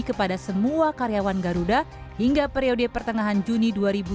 kepada semua karyawan garuda hingga periode pertengahan juni dua ribu dua puluh